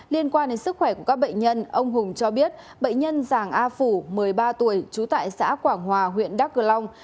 liên quan đến sức khỏe của các bệnh nhân ông hùng cho biết bệnh nhân giàng a phủ một mươi ba tuổi trú tại xã quảng hòa huyện đắk cơ long